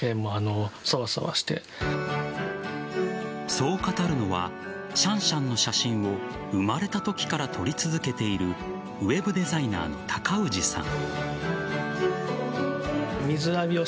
そう語るのはシャンシャンの写真を生まれたときから撮り続けているウェブデザイナーの高氏さん。